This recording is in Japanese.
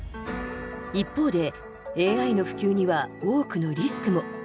一方でＡＩの普及には多くのリスクも。